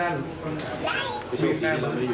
ใช่เพราะมันทิ้มมันทิ้มทะลุเข้ามาเลยอ่ะ